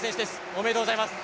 おめでとうございます。